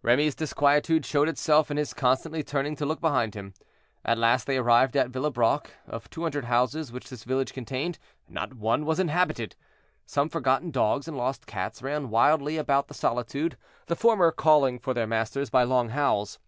Remy's disquietude showed itself in his constantly turning to look behind him. At last they arrived at Villebrock. Of 200 houses which this village contained, not one was inhabited; some forgotten dogs and lost cats ran wildly about the solitude, the former calling for their masters by long howls.